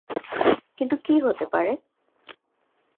কিন্তু কি হতে পারে?